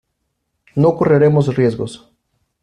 no correremos riesgos.